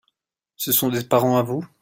Ce sont des parents à vous ?